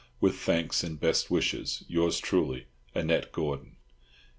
With thanks and best wishes, Yours truly, ANNETTE GORDON."